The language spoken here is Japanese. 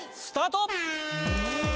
スタート！